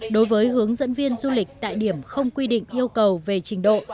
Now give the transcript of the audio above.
đối với hướng dẫn viên du lịch tại điểm không quy định yêu cầu về trình độ